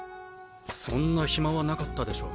そんなヒマはなかったでしょ